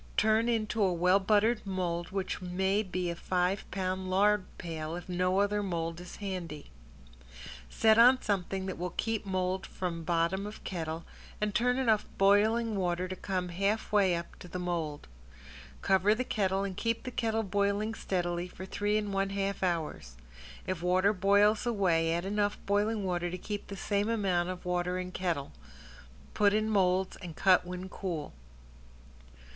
Turn into a well buttered mold which may be a five pound lard pail, if no other mold is handy. Set on something that will keep mold from bottom of kettle and turn enough boiling water to come half way up on the mold. Cover the kettle and keep the kettle boiling steadily for three and one half hours. If water boils away add enough boiling water to keep the same amount of water in kettle. Put in molds and cut when cool.